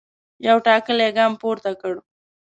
یو ټاکلی ګام پورته کړ.